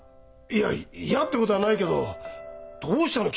いや嫌ってことはないけどどうしたの？